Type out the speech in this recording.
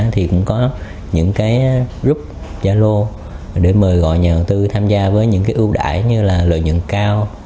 thì cũng có những group gia lô để mời gọi nhà đầu tư tham gia với những ưu đại như lợi nhuận cao